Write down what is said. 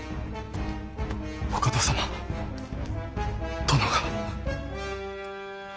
お方様殿が。